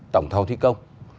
tổng thầu thi công